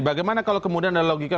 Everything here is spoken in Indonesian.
bagaimana kalau kemudian ada logika